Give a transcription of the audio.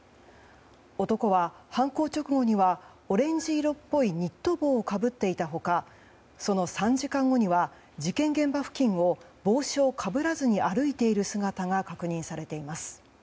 男は、犯行直後にはオレンジ色っぽいニット帽をかぶっていた他その３時間後には事件現場付近を帽子をかぶらずに歩いている姿が確認されています。